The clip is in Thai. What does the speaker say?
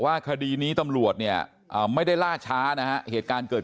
คดีนี้ตำรวจเนี่ยไม่ได้ล่าช้านะฮะเหตุการณ์เกิด